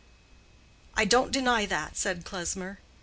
"I don't deny that," said Klesmer.